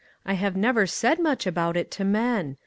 "I have never said much about it to men.